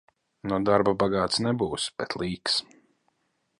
No darba bagāts nebūsi, bet līks.